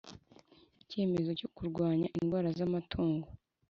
Icyemezo cyo kurwanya indwara z amatungo